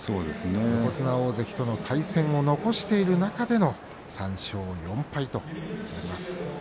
横綱、大関との対戦を残している中での３勝４敗となります。